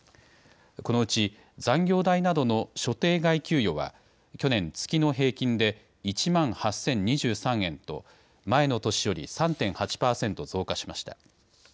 このうち残業代などの所定外給与は去年、月の平均で１万８０２３円と前の年より３．８％増加しました。